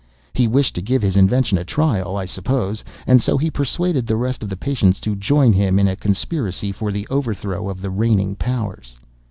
He wished to give his invention a trial, I suppose, and so he persuaded the rest of the patients to join him in a conspiracy for the overthrow of the reigning powers."